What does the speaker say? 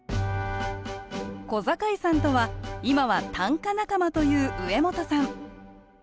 小坂井さんとは今は短歌仲間という上本さん。